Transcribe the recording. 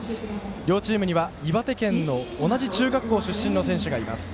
両チームには、岩手県の同じ中学校出身の選手がいます。